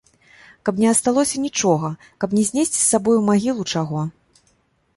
Каб не асталося нічога, каб не знесці з сабой у магілу чаго.